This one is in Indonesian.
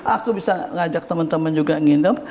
aku bisa ngajak temen temen juga nginep